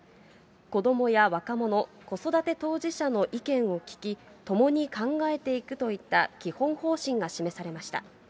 子どもや若者、子育て当事者の意見を聞き、ともに考えていくといった基本方針が示されました。